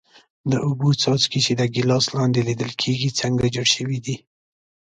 د اوبو څاڅکي چې د ګیلاس لاندې لیدل کیږي څنګه جوړ شوي دي؟